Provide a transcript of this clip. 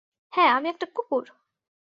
হ্যাঁ, আমি একটা কুকুর।